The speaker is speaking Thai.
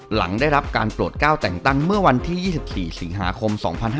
หลังได้รับการโปรดก้าวแต่งตั้งเมื่อวันที่๒๔สิงหาคม๒๕๕๙